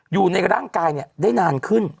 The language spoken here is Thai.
อยู่ในร่างกายได้นานขึ้น